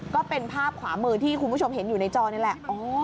ก็เป็นภาพขวามือที่คุณผู้ชมเห็นอยู่ในจอนี่แหละ